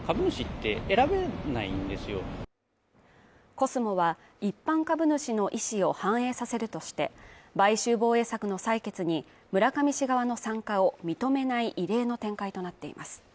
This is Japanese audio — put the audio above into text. コスモは一般株主の意思を反映させるとして、買収防衛策の採決に村上氏側の参加を認めない異例の展開となっています。